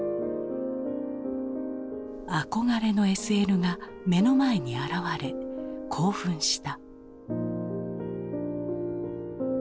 憧れのＳＬが目の前に現れ興奮した。